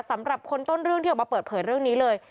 สำหรับคนต้นเรื่องที่ออกมาเปิดเผยเรื่องนี้เลย